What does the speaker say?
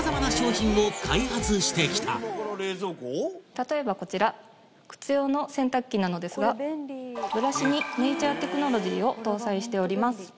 例えばこちら靴用の洗濯機なのですがこれ便利ブラシにネイチャ―テクノロジーを搭載しております